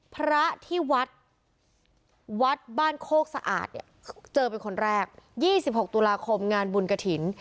พระที่วัดวัดบ้านโคกสะอาดเนี่ยเจอเป็นคนแรก๒๖ตุลาคมงานบุญกระถิ่น